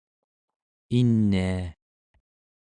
inia